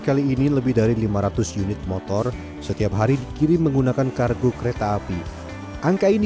kali ini lebih dari lima ratus unit motor setiap hari dikirim menggunakan kargo kereta api angka ini